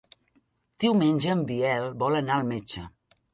Diumenge en Biel vol anar al metge.